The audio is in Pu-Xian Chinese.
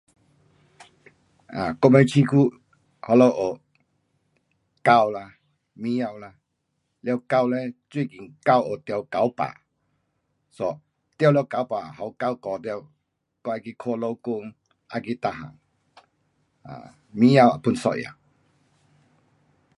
um 我们养还，那边有狗啦，猫啦。了狗嘞最近狗有中狗病。so 中了狗病给狗咬到，还要去看医生，要去每样。um 猫 pun 一样。